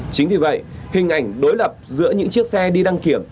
chính vì vậy hình ảnh đối lập giữa những chiếc xe đi đăng kiểm